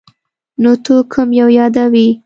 نو ته کوم یو یادوې ؟